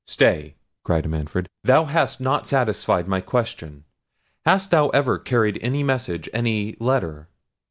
"Stay," cried Manfred; "thou hast not satisfied my question. Hast thou ever carried any message, any letter?"